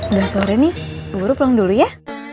udah sore nih bu guru pulang dulu ya